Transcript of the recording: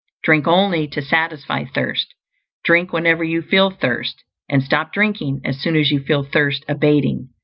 Drink only to satisfy thirst; drink whenever you feel thirst; and stop drinking as soon as you feel thirst abating.